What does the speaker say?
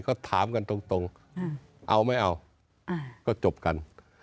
ก็ถามกันตรงเอาไม่เอาก็จบกัน